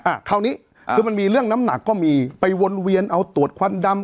อ่าคราวนี้คือมันมีเรื่องน้ำหนักก็มีไปวนเวียนเอาตรวจควันดำ